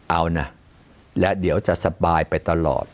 เอานะและเดี๋ยวจะสบายไปตลอด